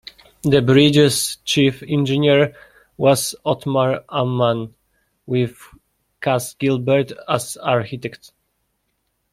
The bridge's chief engineer was Othmar Ammann, with Cass Gilbert as architect.